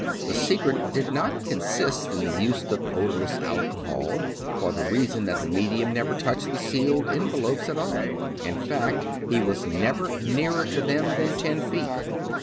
The secret did not consist in the use of odorless alcohol, for the rea 260 David P. Abbott son that the medium never touched the sealed envelopes at all. In fact he was never nearer to them than ten feet.